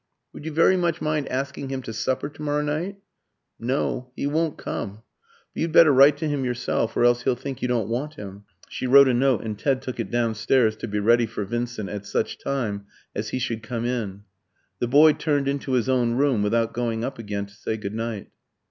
"Would you very much mind asking him to supper to morrow night?" "No. He won't come. But you'd better write to him yourself, or else he'll think you don't want him." She wrote a note, and Ted took it downstairs, to be ready for Vincent at such time as he should come in. The boy turned into his own room without going up again to say good night.